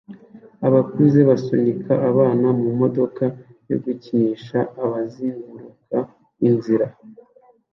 Abakuze basunika abana mumodoka yo gukinisha bazenguruka inzira